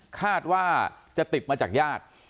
คาดว่าจะติดมาจากญาติ